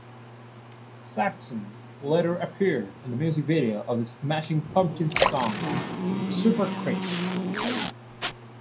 Saxon later appeared in the music video of the Smashing Pumpkins' song "Superchrist".